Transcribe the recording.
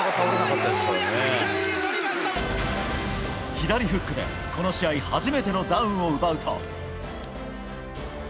左フックでこの試合初めてのダウンを奪うと。